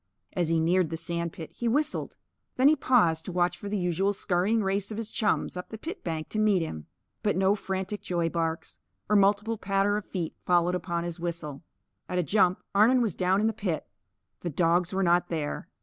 As he neared the sand pit, he whistled. Then he paused to watch for the usual scurrying race of his chums up the pit bank to meet him. But no frantic joy barks or multiple patter of feet followed upon his whistle. At a jump, Arnon was down in the pit. The dogs were not there.